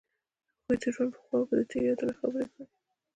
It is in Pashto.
هغوی د ژوند په خوا کې تیرو یادونو خبرې کړې.